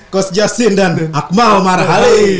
kos jasin dan akmal marhali